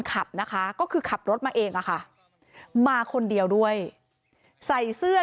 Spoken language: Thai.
ขับนะคะก็คือขับรถมาเองอะค่ะมาคนเดียวด้วยใส่เสื้อ